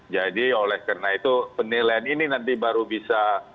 jadi oleh karena itu penilaian ini nanti baru bisa